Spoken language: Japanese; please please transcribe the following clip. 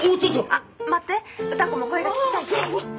☎あっ待って歌子も声が聞きたいって。